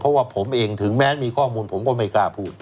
เพราะว่าผมเองถึงแม้มีข้อมูลผมก็ไม่กล้าพูด